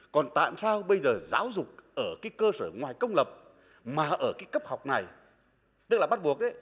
còn tại sao bây giờ giáo dục ở cơ sở ngoài công lập mà ở cấp học này tức là bắt buộc